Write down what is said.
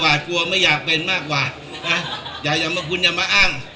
นี่ก็มีกระแสแบบวาดกว่าการเกณฑ์อาหาร